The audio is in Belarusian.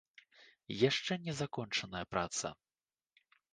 Яшчэ не закончаная праца.